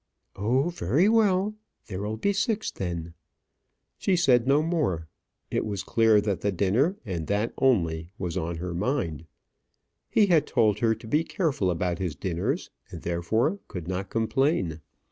"Oh, very well. There will be six, then." She said no more. It was clear that the dinner, and that only, was on her mind. He had told her to be careful about his dinners, and therefore could not complain.